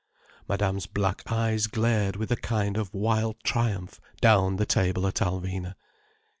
Madame's black eyes glared with a kind of wild triumph down the table at Alvina.